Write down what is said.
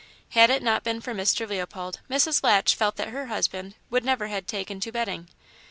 Had it not been for Mr. Leopold Mrs. Latch felt that her husband would never have taken to betting.